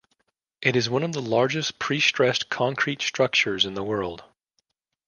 It is one of the largest prestressed concrete structures in the world.